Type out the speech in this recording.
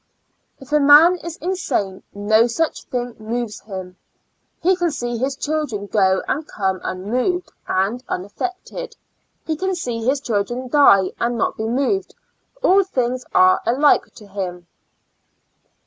If a man is insane,, no such thing moves IN A L UNA TIC A SYL mi. \^\ him; he can see his children go and come unmoved and unaffected, he can see his children die and not be moved, all things are alike to him.